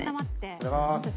おはようございます。